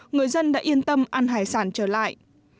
người dân đã yên tâm ăn hải sản trở lại